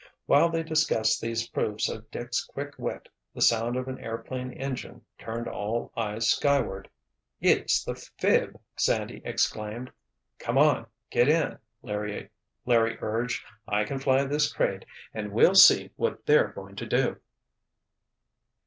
While they discussed these proofs of Dick's quick wit, the sound of an airplane engine turned all eyes skyward. "It's the 'phib'!" Sandy exclaimed. "Come on—get in!" Larry urged. "I can fly this crate—and we'll see what they're going to do!"